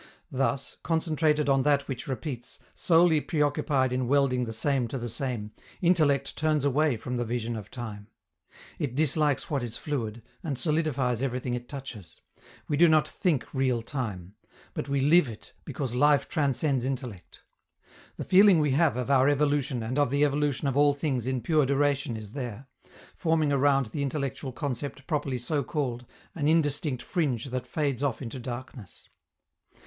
Thus, concentrated on that which repeats, solely preoccupied in welding the same to the same, intellect turns away from the vision of time. It dislikes what is fluid, and solidifies everything it touches. We do not think real time. But we live it, because life transcends intellect. The feeling we have of our evolution and of the evolution of all things in pure duration is there, forming around the intellectual concept properly so called an indistinct fringe that fades off into darkness.